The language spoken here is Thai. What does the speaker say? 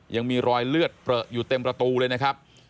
ยังมีรอยเลือดเปลืออยู่เต็มประตูเลยนะครับ